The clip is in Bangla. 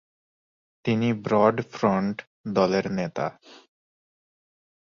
তিনি ব্রড ফ্রন্ট দলের নেতা।